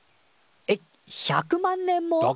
えっ１００万年も？